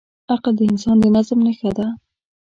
عقل د انسان د نظم نښه ده.